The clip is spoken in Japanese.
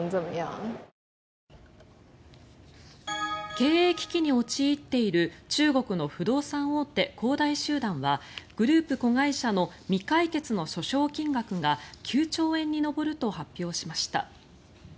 経営危機に陥っている中国の不動産大手、恒大集団はグループ子会社の未解決の訴訟金額が９兆円に上ると発表しました。